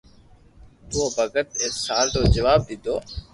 تو او ڀگت اي سال رو جواب ديديو